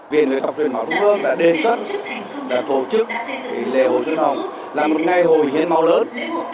viện huyết học truyền máu trung ương đã đề xuất và tổ chức lễ hội xuân hồng là một ngày hội hiếm máu lớn